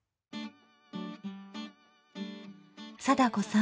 貞子さん